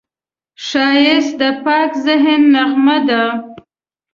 ښایست د پاک ذهن نغمه ده